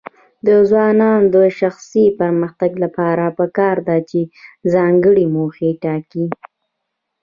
د ځوانانو د شخصي پرمختګ لپاره پکار ده چې ځانګړي موخې ټاکي.